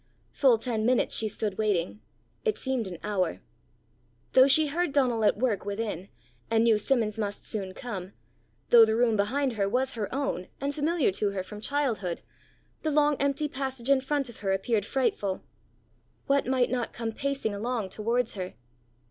Full ten minutes she stood waiting: it seemed an hour. Though she heard Donal at work within, and knew Simmons must soon come, though the room behind her was her own, and familiar to her from childhood, the long empty passage in front of her appeared frightful. What might not come pacing along towards her!